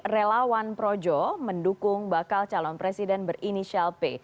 relawan projo mendukung bakal calon presiden berinisial p